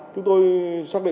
chúng tôi sẽ tạo ra